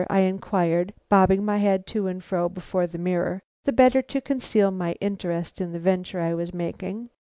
I inquired, bobbing my head to and fro before the mirror, the better to conceal my interest in the venture I was making.